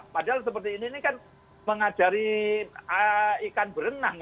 padahal seperti ini ini kan mengajari ikan berenang